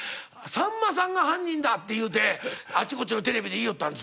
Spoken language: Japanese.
さんまさんが犯人だって言うてあちこちのテレビで言いよったんですこいつ。